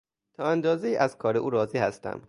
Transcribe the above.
تا اندازهای از کار او راضی هستم.